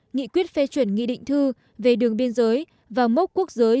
nghị quyết phê chuẩn nghị định thư về đường biên giới và mốc quốc giới